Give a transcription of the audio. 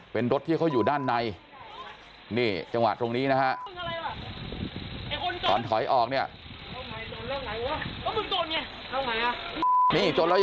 เป็นรถที่เขาอยู่ด้านในนี่จังหวะตรงนี้นะฮะ